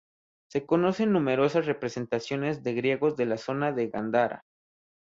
Se conocen numerosas representaciones de griegos de la zona de Gandhara.